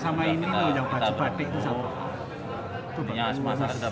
sampai yang sama ini yang baca batik itu sama